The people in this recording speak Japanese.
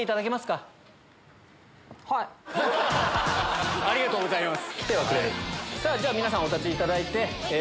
風花さんありがとうございます。